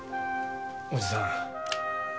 おじさん。